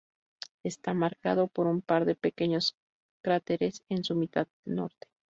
Está marcado por un par de pequeños cráteres en su mitad norte.